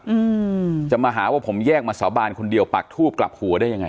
อืมจะมาหาว่าผมแยกมาสาบานคนเดียวปากทูบกลับหัวได้ยังไง